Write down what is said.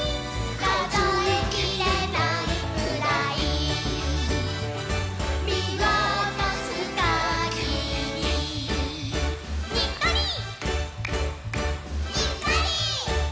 「かぞえきれないくらいみわたすかぎり」「にっこり」「にっこり」